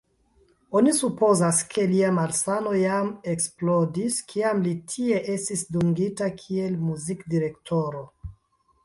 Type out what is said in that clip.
Oni supozas, ke lia malsano jam eksplodis, kiam li tie estis dungita kiel muzikdirektoro.